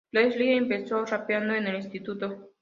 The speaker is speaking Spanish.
Leslie empezó rapeando en el instituto.